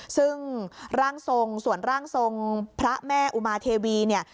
ซึ่งร่างทรงส่วนร่างทรงพระแม่อุมาเทวีเนี่ย